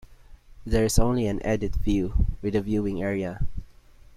There is only an "edit view" with a viewing area.